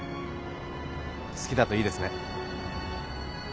好きだといいですね。